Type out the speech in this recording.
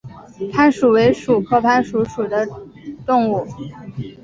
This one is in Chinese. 攀鼠为鼠科攀鼠属的动物。